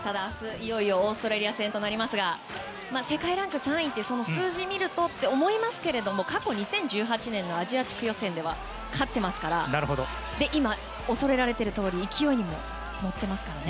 いよいよオーストラリア戦となりますが世界ランク３位という数字を見るとと思いますけれども、過去２０１８年のアジア地区予選では勝っていますから今、恐れられているとおり勢いにも乗っていますからね。